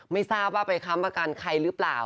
ไม่ทราบว่าไปค้ำประกันใครหรือเปล่า